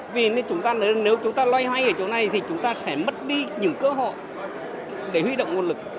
vì chúng ta nếu chúng ta loay hoay ở chỗ này thì chúng ta sẽ mất đi những cơ hội để huy động nguồn lực